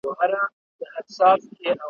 د باغلیو ذخیرې سوې مکتبونه `